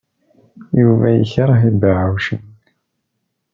Yuba yekṛeh ibeɛɛucen.